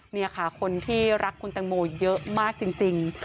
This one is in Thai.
นี่ค่ะคนที่รักคุณตังโมเยอะมากจริง